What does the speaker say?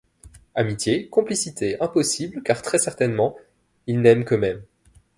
Amitié, complicité impossibles car très certainement, ils n'aiment qu'eux-mêmes.